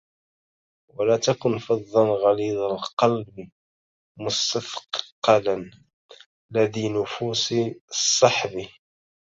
ولاتكن فظا غليظ القلبِ مُسْتثْقَلا لدي نفوس الصَحْبِ